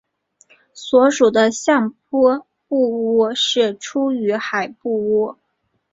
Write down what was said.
所属的相扑部屋是出羽海部屋。